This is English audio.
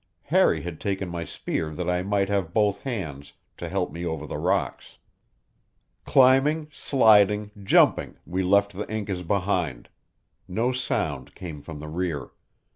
Harry had taken my spear that I might have both hands to help me over the rocks. Climbing, sliding, jumping, we left the Incas behind; no sound came from the rear.